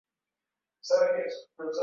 Utukufu wote ni kwako.